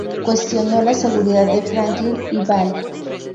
Cuestionó la seguridad de Franklin y Val.